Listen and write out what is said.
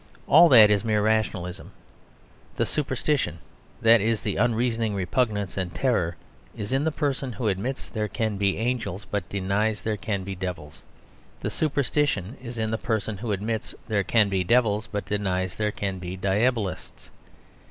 All that is mere rationalism; the superstition (that is the unreasoning repugnance and terror) is in the person who admits there can be angels but denies there can be devils. The superstition is in the person who admits there can be devils but denies there can be diabolists.